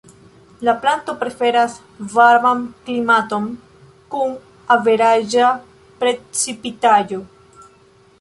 La planto preferas varman klimaton kun averaĝa precipitaĵo.